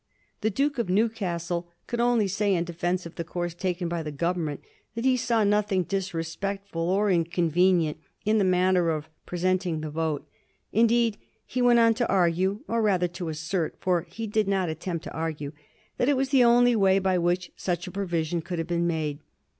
The Duke of New castle could only say in defence of the course taken by the Government that he saw nothing disrespectful or in convenient in the manner of presenting the vote. Indeed, he went on to argue, or rather to assert, for he did not at tempt to argue, that it was the only way by which such a provision could have been made.